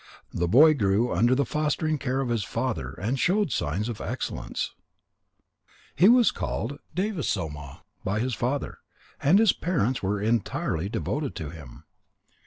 The boy grew under the fostering care of his father, and showed signs of excellence. He was called Devasoma by his father, and his parents were entirely devoted to him.